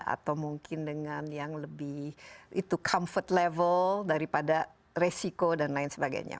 atau mungkin dengan yang lebih itu comfood level daripada resiko dan lain sebagainya